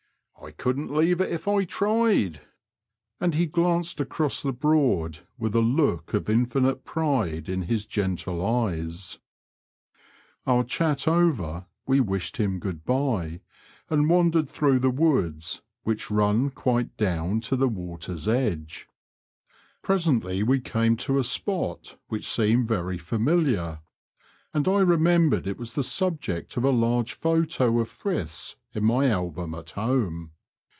I couldn't leave it if I tried; " and he glanced across the Broad with a look of infinite pride in his gentle eyes. Our chat over, we wished him good bye, and wandered through the woods, which run quite down to the water's Digitized by VjOOQIC 48 BROADS AND BIVERS OF NORFOLK AND SUFFOLK. edge. Presently we came to a spot wliich seemed very familiar, and I remembered it was the subject of a large photo of Frith's in my album at home.